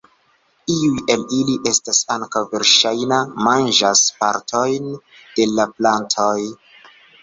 Iuj el ili estas ankaŭ verŝajna manĝas partojn de la plantoj.